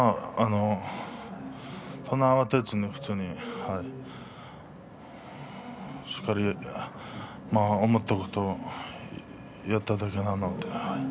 そんなに慌てずに普通にしっかり思ったことをやっただけなので。